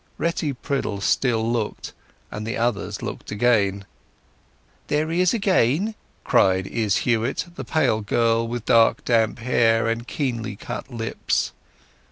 Retty Priddle still looked, and the others looked again. "There he is again!" cried Izz Huett, the pale girl with dark damp hair and keenly cut lips.